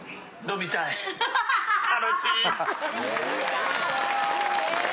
楽しい。